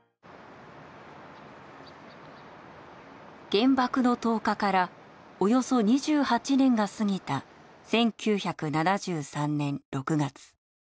原爆の投下からおよそ２８年が過ぎた１９７３年６月。